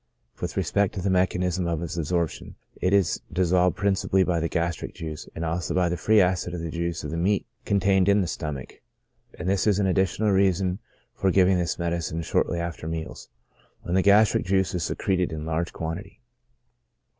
With respect to the mechanism of its absorption, it is dissolved principally by the gastric juice, and also by the free acid of the juice of the meat contained in the stomach ; and this is an ad ditional reason for giving this medicine shortly after meals, when the gastric juice is secreted in large quantity.